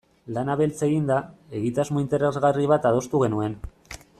Lana beltz eginda, egitasmo interesgarri bat adostu genuen.